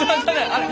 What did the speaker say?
あれ？